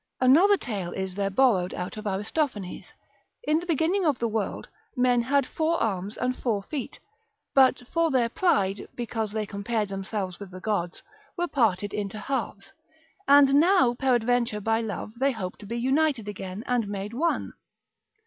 Another tale is there borrowed out of Aristophanes: in the beginning of the world, men had four arms and four feet, but for their pride, because they compared themselves with the gods, were parted into halves, and now peradventure by love they hope to be united again and made one.